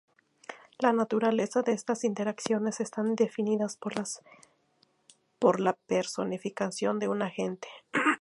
La naturaleza de estas interacciones están definidas por la personificación de un agente.